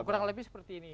kurang lebih seperti ini